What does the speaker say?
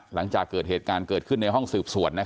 หลังจากเกิดเหตุการณ์เกิดขึ้นในห้องสืบสวน